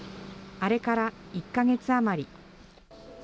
あれから１か月余り。